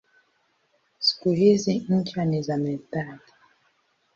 Siku hizi ncha ni za metali.